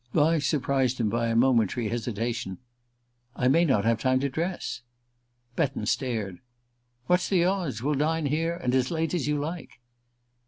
Vyse surprised him by a momentary hesitation. "I may not have time to dress." Betton stared. "What's the odds? We'll dine here and as late as you like."